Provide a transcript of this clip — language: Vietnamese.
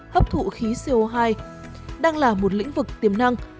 hấp thụ khí co hai đang là một lĩnh vực tiềm năng